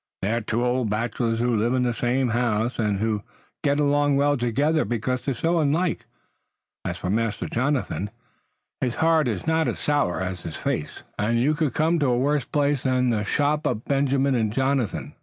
They are two old bachelors who live in the same house, and who get along well together, because they're so unlike. As for Master Jonathan, his heart is not as sour as his face, and you could come to a worse place than the shop of Benjamin and Jonathan.